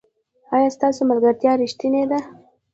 ایا ستاسو ملګرتیا ریښتینې ده؟